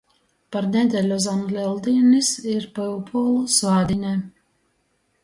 Par nedeļu zam Leldīnis ir Pyupūlu svātdīne.